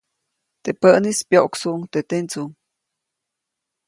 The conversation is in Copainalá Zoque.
Teʼ päʼnis, pyoʼksuʼuŋ teʼ tendsuŋ.